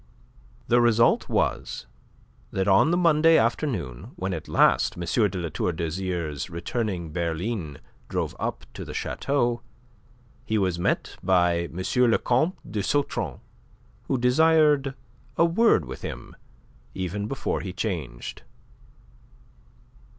The result was that on the Monday afternoon when at last M. de La Tour d'Azyr's returning berline drove up to the chateau, he was met by M. le Comte de Sautron who desired a word with him even before he changed.